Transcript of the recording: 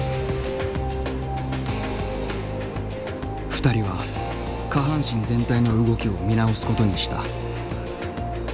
２人は下半身全体の動きを見直すことにした。